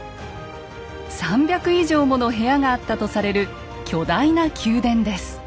３００以上もの部屋があったとされる巨大な宮殿です。